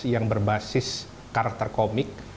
yang berbasis karakter komik